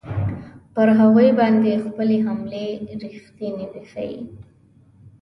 پر هغوی باندې خپلې حملې ریښتوني وښیي.